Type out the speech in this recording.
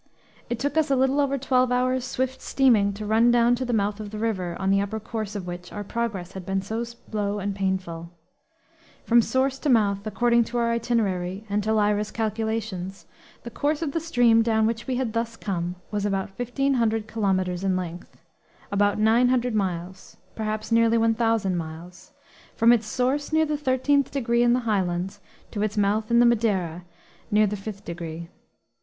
It took us a little over twelve hours' swift steaming to run down to the mouth of the river on the upper course of which our progress had been so slow and painful; from source to mouth, according to our itinerary and to Lyra's calculations, the course of the stream down which we had thus come was about 1,500 kilometres in length about 900 miles, perhaps nearly 1,000 miles from its source near the 13th degree in the highlands to its mouth in the Madeira, near the 5th degree.